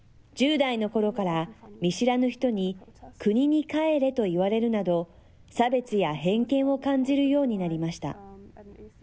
１０代のころから見知らぬ人に、国に帰れと言われるなど、差別や偏見を感じるようになりました。